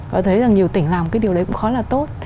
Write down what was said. và thấy rằng nhiều tỉnh làm cái điều đấy cũng khá là tốt